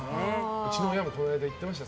うちの親もこの間行ってました。